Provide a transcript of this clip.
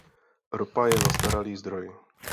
Ropa je zastaralý zdroj.